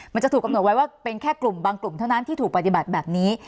มันจะถูกกำหนดไว้ว่าเป็นแค่กลุ่มบางกลุ่มเท่านั้นที่ถูกปฏิบัติแบบนี้